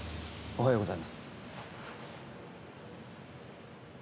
おはようございます。